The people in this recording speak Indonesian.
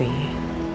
ibu juga ibu